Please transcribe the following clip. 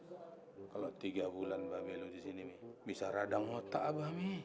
nih kalo tiga bulan mbak beli disini nih bisa radang otak mbak mi